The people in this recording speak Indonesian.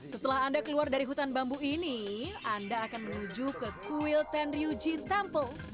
setelah anda keluar dari hutan bambu ini anda akan menuju ke kuil tenryuji temple